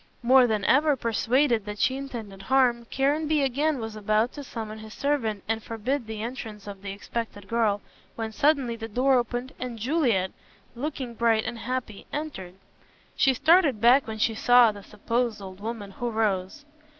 More than ever persuaded that she intended harm, Caranby again was about to summon his servant and forbid the entrance of the expected girl, when suddenly the door opened and Juliet; looking bright and happy, entered. She started back when she saw the supposed old woman, who rose.